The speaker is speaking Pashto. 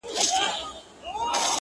o خدايه لويه، ما وساتې بې زويه.